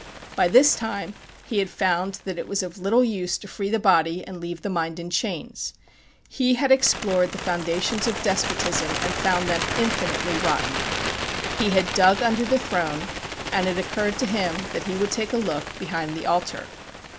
By this time he had found that it was of little use to free the body and leave the mind in chains. He had explored the foundations of despotism and had found them infinitely rotten. He had dug under the throne, and it occurred to him that he would take a look behind the altar.